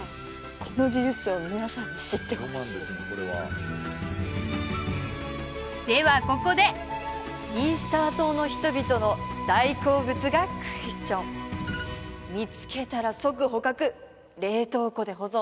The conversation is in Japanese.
この事実を皆さんに知ってほしいではここでイースター島の人々の大好物がクエスチョン見つけたら即捕獲冷凍庫で保存